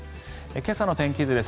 今朝の天気図です。